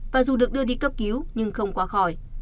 và dù được đưa đi cấp cứu nhưng không qua khỏi